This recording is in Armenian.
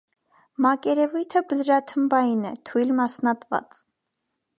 Մակերևույթը բլրաթմբային է, թույլ մասնատված։